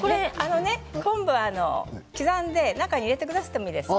昆布は刻んで中に入れてくださってもいいですよ。